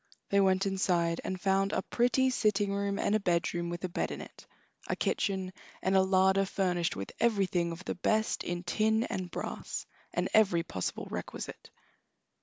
They went inside and found a pretty sitting room, and a bedroom with a bed in it, a kitchen, and a larder furnished with everything of the best in tin and brass, and every possible requisite.